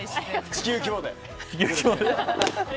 地球規模で。